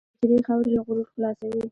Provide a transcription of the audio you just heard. د سجدې خاورې له غرور خلاصوي.